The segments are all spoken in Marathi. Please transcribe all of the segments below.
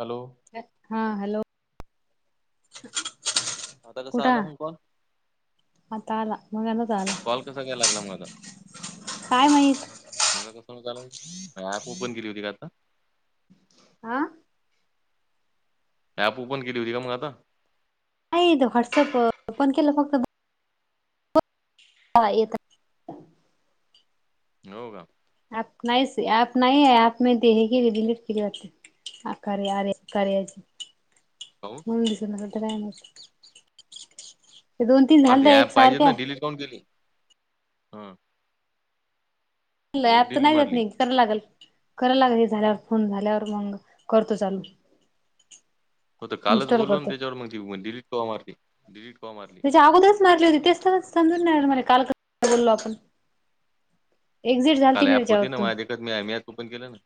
हॅलो हा हॅलो [unintelligible] आता कसं आला मगक आता आला मग नाच आला कॉल कसा काय लागला मग आता काय माहित मगा कसं हो लं ऍप ओपन केली होती का आता हा [unintelligible] ॲप ओपन केली होती का मग आता [unintelligible] नाही तो व्हॉट्सअप ओपन केलं फक्त हा येत [unintelligible] हो का [unintelligible] आप नाही नाही आहे म दे क रिडिलेट केली वा ह करे अरे करेच हो [inaudible] दो दिस दोन तीन ांध्या एक सारख्या कोण केली हम [unintelligible] [unintelligible] आ नाही जात मारली नाही करायला लागल कराय लाग झाल्यावर फोन झाल्यावर मग करतो चालू हो तर कालच इन्स्टॉल बोललो ना करतो त्याच्यावर मग त डलीट कवा मारली डिलीट कवा मारली अगोदच मारली होती तेचतानाच समजून नाही म काल बोललो आपण एक्झिट झालती काल मी ऍप होती ना त्याच्यावरतून माझच मी मयात ओपन केलं ना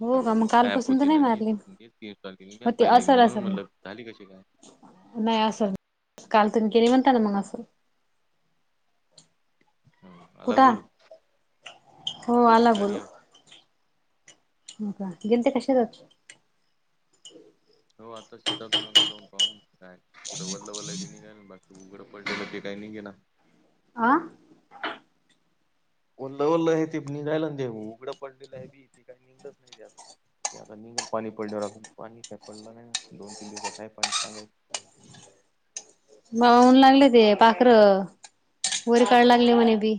हो मग का कालपासून तर पोती नाही ना मी मारली मी तीन तार केली मीच होते पाहिली असल म्हणून असल मटलं मग झाली कशी काय [unintelligible] [unintelligible] नाही असल काल तुम केली म्हणता ना मग असल [unintelligible] हम् अलग कुठं बोलू [unintelligible] हो आला घरी बोलू येऊ का गेल ते कशा जात हो आता शेतातून आलू जाऊन पाहून काय कुठे वल्ल वल्लाय त निघल बाकी उघडं पडलेलं ते काही नाही घे ना [unintelligible] आं [unintelligible] ओलं ओल्लं हे ते निघायला ते उघडं पडलेलं आहे बी ते काही निघलंच नाही तेजून क आता निघल पाणी पडल्यावरून पाणी काय पडलं नाही दोन तीन दिवसात आहे पाणी सांगाय बन लागले ते पाखर वोरी काढ लागली म्हणे बी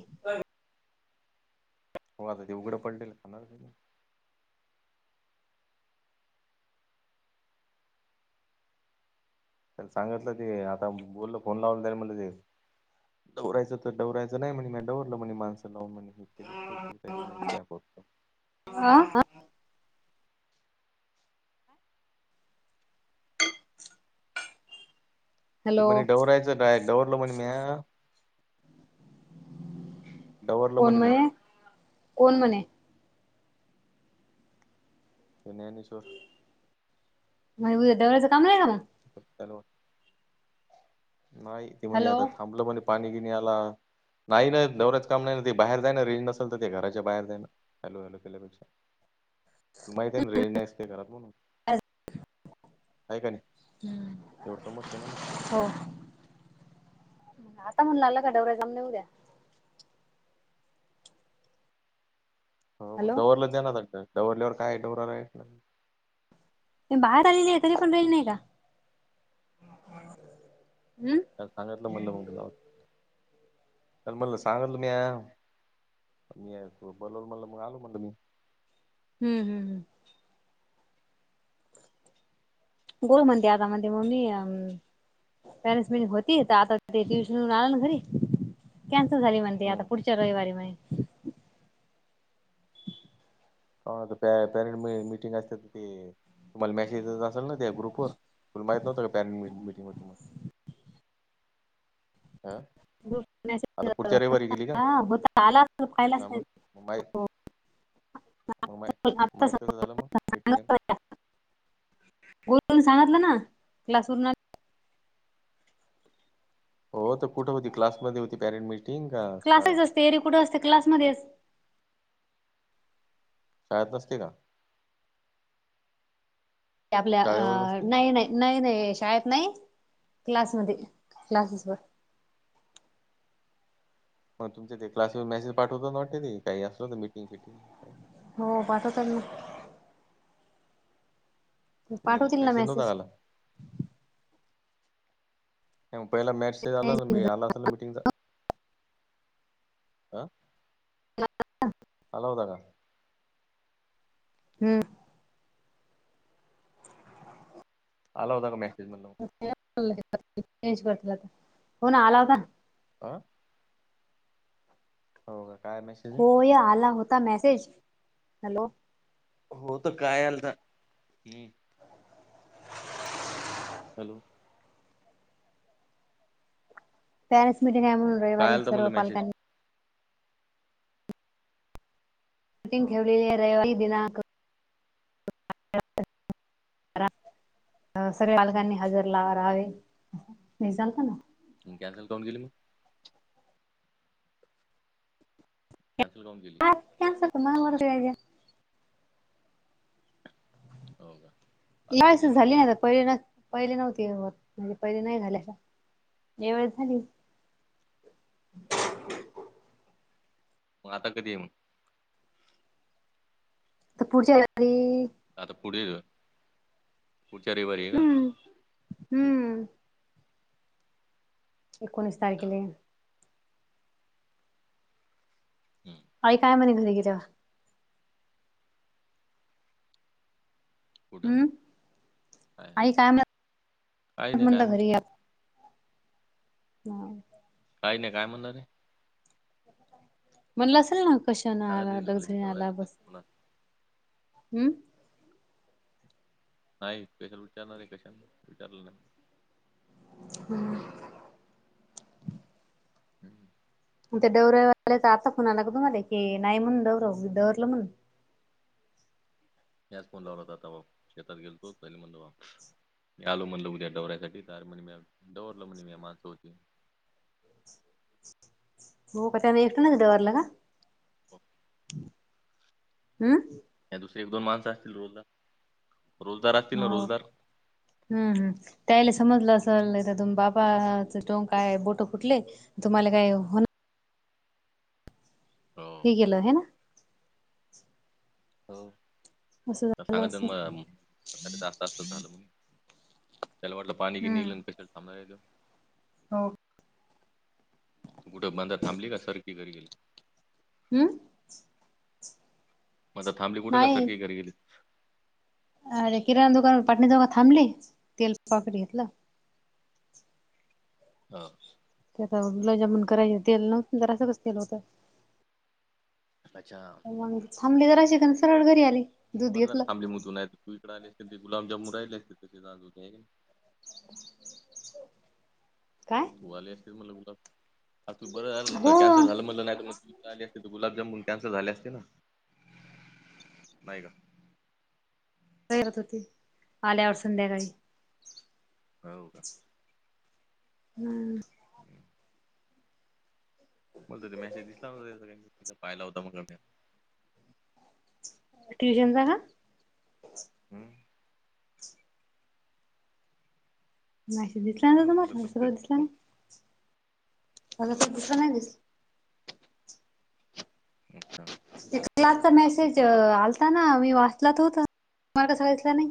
हो आता ते उघडं पडलेल खाणार त्या सांगितलं ते आता बोलल फोन लावला त म्हलं ते डवायचं तर दडवायचं नाही म्हणे मी डवरलं म्ह म माणसं लावून म्ह त म कि पडतो हा हा ते हॅलो म्हणे डवरायचं काय दवरल म्हणे मी कोण म्हणे कोण म्हणे ण्याने सर मग दव्यां काम नाहीय का मग नाही ते म्हणे हॅलो आता थांबलं म्हणे पाणी गिणी आला नाही नाही नवऱच काम नाही ते बाहेर जायं रिंज नसेल तर ते घराच्या बाहेर जायं चालूल केल्यापेक्षा तु माहीित रेंज नाहीस का करात म्हणून काय काय नाही हम्म एवढं समजते ना मग हो आता म्हण लागला का डवऱ्या जाम न येऊ द्या हो मग हॅलो दौलं दे नागत दववरल्यावर काय दराला आहे ना बाहेर आलेली आहे तरी पण राहील नाही का हम्म सांगितलं म्हटलं म त च म्हणल सांगाल तुम्ही या मी बोलव म्हणल मग आलो म्हण तु म्ही हम् हम् हम गुर मंदि आ मंद मम्मी अ पेरेंट्स मिटिंग होती तर आता ते ट्युशनन आलं ना घरी कॅन्सल झाली म्हणते आता हम्म. पुढच्या रविवारी म हो पॅरेंट मिीटिंग असते तर ते तुम्हाला मेसेज असेल ना त्या ग्रुपवर तुला माही नव्हं का पॅरेंट मिटिंगवरती मग हा ग्रुप मेसेज आता पुढच्या रविवारी गेली का हा होता आला असेल ह पाहिलाच मग नाही माय मग मा माहित झालं मग मीटिंग गर सांगतलं ना क्लासवर हो तर कुठे होती्समध्ये हो पॅरेंट मिट ट का शाळेत क्लासेच असते ए ररी कुठं असते क्लासमध्येच शाळत नसते का आपल्या शाळेवर नसते नाही नाही नाही नाही शाळेत नाही क्लासमध्ये क्लासेस वर मग तुमच्या ते क्लासवर मेसेज पाठवतो नटते ते काही असलं हो तर मीटिंग फिटिंग का हो पाच त्यांना मग पाठवतील ना पैसे मेसेज नव्हताकाला ग पहिला मॅच झाला हम्म आला असल मिीटिंगचा आा म हल हो द का हम्म आला होदा मॅसेज म्ह मण चेंज करतील आता हो ना आला होता आं हो काय म- होय आला होता मेसेज. हॅलो. हो तर काय आलता, हम्म. हॅलो. पॅरेंस मिटंग आहे म्हणून काय रविवारी आलता म्हणलं मेसेज सर्वलांनी मिटींग हा ठेवलेली आहे रविवारी दिनांक सर्व बालकांनी हम्म हजर लाव रहावे येसाल का मग? कॅनसल काऊन केली मग? कॅनसल काऊन केली? आता त्यांच मला माहिती आहे का. हाव का. आता कधी आहे मेसेज म्हण झालीन पहिल्यान. पहिले नव्हती होत म्हणजे पहिले नाही झाल्या का यावेळेेस झाली. मग आता कधी हाय मग? आता पुढच्या [unintelligible] आता पुढे पुढच्या रविवारी आहे का? हम्म हम्म. एकोणीस अच्छा तारखिले. हम्म. आई काय म्हने घरी गेल्यावर? कुठं हम्म, आई काय म्हण काही नाही काय म्हटलं म्हण घरी हा. काही नाही काय म्हणणार हाय. म्हणलं असेल ना कशान सांगत आला, येईल मला लगझरी आला, घबरायचं नाही बस पुन्हा हम्म. नाही विचा विचारणार आहे कशाला विचारलं नाही. हम्म. हम्म. ते दौऱ्यावाल्याच आता फोन आला का तुम्हाले की नाही म्हणलं दौव दौरलं म्हणुन. म्याच फोनवर लावला होता तवा शेतात गेल तो पहिली म्हणल मी आलो म्हणलं उद्या दौऱ्यासाठी तर म्हण म दडवरलं म्हणे म्या माणसं होती. हो का त्यांन एकट्यान डववरला का? हो. हम्म. या दुसरे एक, दोन माणसं असतील रोजदार, रोजदार असतील ना हो रोजदार. हम्म, हम्म, त्यायले समजलं असल तुम बाबाच टोंकय बोट फुटले. तुम्हाला काय होन - हो. हे गेलं है ना. हो असं तर झालं सांगात असेल मग त झालं म्हणुन त्याला वाटलं पाणी गिनी हम्म येईल कशाला थांबयला यायले. हो. तू कुठं बंदा थांबली का सरखी घरी गेली? हम्म. मधात थांबली कुठे का नाही सरकी घरी गेली? अरे किराणा दुकानवर पाटनी जवळ थांबली तेलच पॉकेट घेतलं. हा. ते आता गुलाबजामुन करायचं तेल न्हवत ना जरा सखच तेल होतं. अच्छा. मग थांबली जराशी आणि सरळ घरी आली. दूध बरं झालं घेतलं थब मधून आहेत तू इकडे आले असते ते गुलाबजामुन राहिले [inaudible] असते काय? हो आले असतील मटला बुलार तू बरं झालं हो कॅन्सल झालं म्हटलं नाही मग त ले असते त गुलाबजामन त्यांस झाले असते ना नाही का बाहेरचं होती आल्यावर संध्याकाळी होव का हम्म हम्म. बोल त ते मेसेज दिसला नव्हता पाहिला होता मग ट्यूशनचा हा हम मेसेज दिसला नाही तु म्हणून मा म्हणलं कसं काय दिसला फोन नाही मला हो तर तसं का नाही दिसलं. ठीक क्लासचा मेसेज आलता ना मी वाचलात होत तला कस दिसला नाही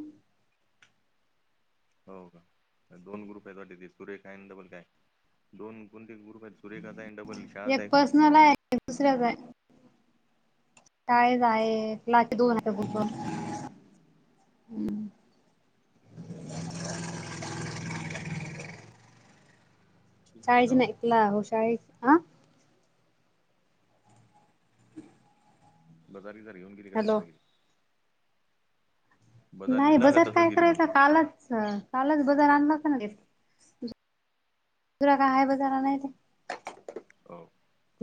हो का दोन ग्रुप आहेत त ते सूर्य काय आणि डबल काय दोन कोणते ग्रुप आहेत सुरेखा आहे आणि डबल शाळाचा एक आहे का पर्सनल आहे एक दुसऱ्याच आहे कायच आहे ला दोन हो ब ठीक आहे शाळेज जाऊ नाही ऐकला हो शाळे ह बाजारी जर येऊन गेली कत हॅलो गेरी नाही नेला का बाजार तसंच काय गेली करायचां म्हणलं कालच कालच बजार आणणारच घ तुरा का आहे बजार आणायचा हो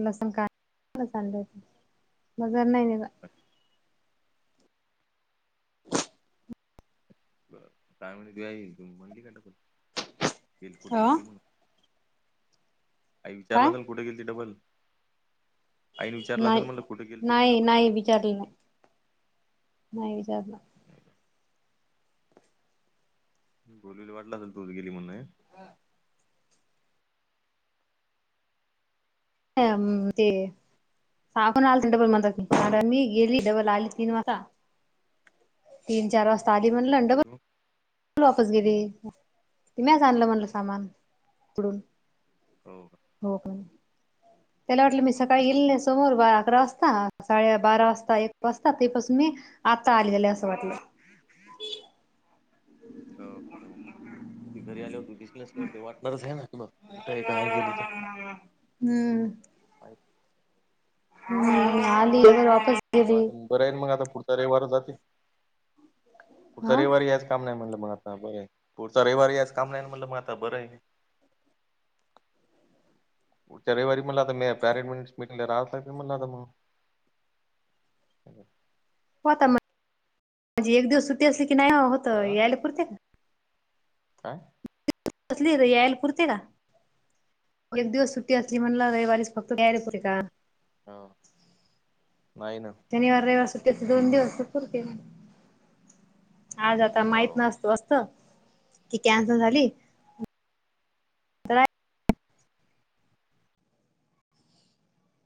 लसण काडच मजर नाही का ब काय म्हण तू म्हणली का टाकण गे कुठे अ गेल त म्हणून का विचारलं तरल काय? कुठे गेल त डबल नाही, नाही, नाही विचारलं नाही, नाही विचारलं बोलली वाटलं असेल तू गेली म्हणून ए हा ते साखून आल डबल म्हण मी गेली डबल आली तीन वाजता तीन, चार वाजता आधली म्हणलं डबल ह वापस गेली म्याच आणलं म्हटलं सामान पुढून हो हो का त्याला वाटलं मी सकाळी गेल नाही समोर बारा अकरा वाजता साडे बारा वाजता एक वाजता तेपासून मी आता आलीत्याला असं वाटलं [inaudible] त घरी आले हो तू दिसनस केवरते वाटणारच आहे ना तुम हम्म हम आलीर वापस ह गेली ते बर आहेल मग आता पुढचा रविवार जाते पुढचा हा रविवारी याच काम नाही म्हटलं मग आता बर आहे पुढचा रविवारी याज काम नाही म्हटलं मग आता बरं आहे पुढच्या रविवारी म पॅरेटट मीटिंग राह मला मग [inaudible] हो आता म्ह एक दिवस सुटी असली की नाही होत अ यायला पुरते काय कसली र यायल पुरते का एक दिवस सुट्टी असली म्हणला रविवारीस फक्त तयारी होे का हा नाही ना शनिवार, रविवार सुट्टी दोन दिवस पुरते आज आता हो माहित नसतो असत की कॅन्सल झाली तर